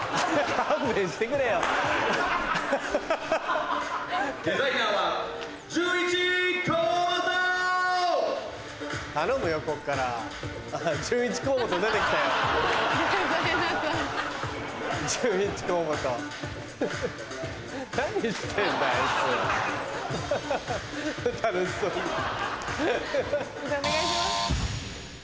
判定お願いします。